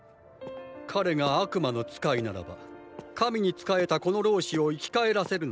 彼が悪魔の使いならば神に仕えたこの老師を生き返らせるなんてできないはず。